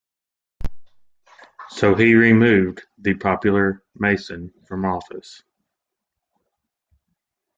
So he removed the popular Mason from office.